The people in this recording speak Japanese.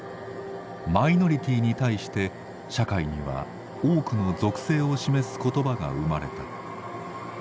マイノリティーに対して社会には多くの属性を示す言葉が生まれた。